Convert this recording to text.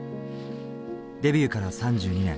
デビューから３２年。